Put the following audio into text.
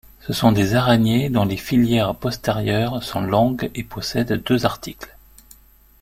Ce sont des araignées dont les filières postérieures sont longues et possèdent deux articles.